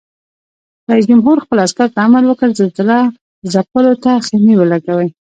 رئیس جمهور خپلو عسکرو ته امر وکړ؛ زلزله ځپلو ته خېمې ولګوئ!